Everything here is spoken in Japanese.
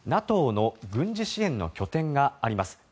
ＮＡＴＯの軍事支援の拠点があります